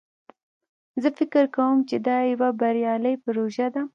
زه فکر کوم چې دا یوه بریالی پروژه ده